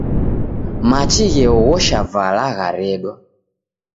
Machi gheoghosha vala gharedwa.